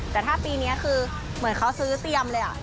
แต่ถ้าปีนี้คือเหมือนเขาซื้อเซียมเลย